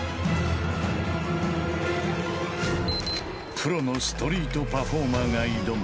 プロのストリートパフォーマーが挑む